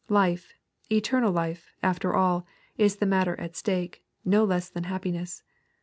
Life, eternal life, after all, is the matter at stake, no less than happiness.